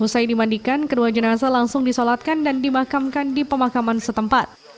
usai dimandikan kedua jenazah langsung disolatkan dan dimakamkan di pemakaman setempat